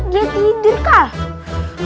dia tidur kak